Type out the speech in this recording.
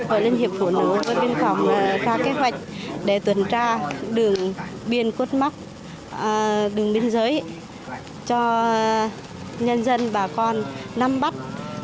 hội liên hiệp phủ nấu với biên phòng ra kế hoạch để tuần tra đường biên quốc mắc đường biên giới cho nhân dân bà con nam bắc